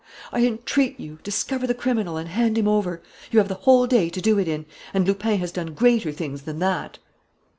I entreat you, discover the criminal and hand him over.... You have the whole day to do it in...and Lupin has done greater things than that!"